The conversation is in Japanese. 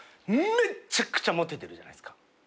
めちゃくちゃモテてるじゃないっすか。